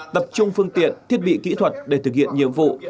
tập trung phương tiện thiết bị kỹ thuật để thực hiện nhiệm vụ